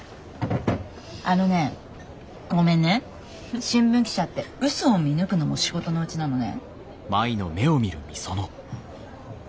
あのねごめんね新聞記者ってうそを見抜くのも仕事のうちなのね。